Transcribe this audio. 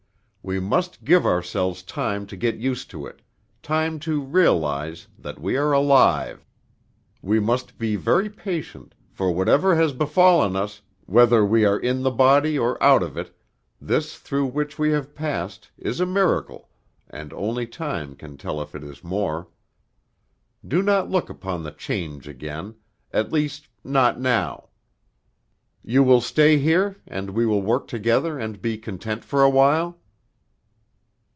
We must give ourselves time to get used to it, time to realize that we are alive. We must be very patient, for whatever has befallen us, whether we are in the body or out of it, this through which we have passed is a miracle, and only time can tell if it is more. Do not look upon the change again, at least not now. You will stay here, and we will work together, and be content for awhile?"